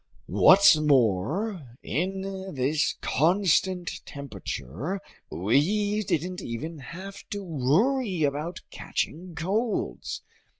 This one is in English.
What's more, in this constant temperature we didn't even have to worry about catching colds.